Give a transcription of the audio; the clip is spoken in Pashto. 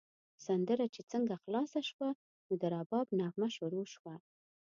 سندره چې څنګه خلاصه شوه، نو د رباب نغمه شروع شوه.